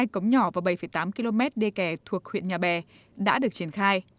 hai cống nhỏ và bảy tám km đê kè thuộc huyện nhà bè đã được triển khai